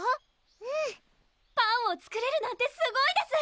うんパンを作れるなんてすごいです！